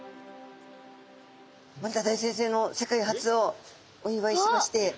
森田大先生の世界初をお祝いしまして。